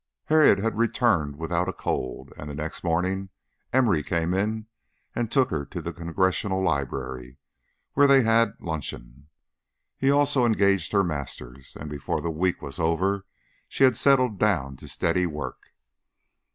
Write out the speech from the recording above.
Harriet had returned without a cold, and the next morning Emory came in and took her to the Congressional Library, where they had luncheon. He also engaged her masters, and before the week was over she had settled down to steady work.